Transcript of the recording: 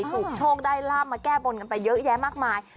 ถูกโชคได้ลาบมาแก้บนกันไปเยอะแยะมากมาย